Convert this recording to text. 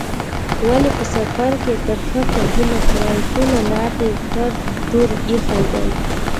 ولې په سفر کې ترخه کبابونه خورې؟ ټوله لار دې ټر ټور ایښی دی.